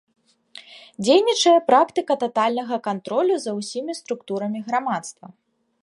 Дзейнічае практыка татальнага кантролю за ўсімі структурамі грамадства.